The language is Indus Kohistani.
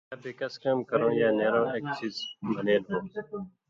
یا بے کَس کام کرؤں یا نېرؤں ایک څیز بنیل ہو،